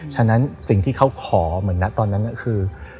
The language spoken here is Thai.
ฉะนั้นสิ่งที่เขาขอเหมือนนะตอนนั้นก็คือ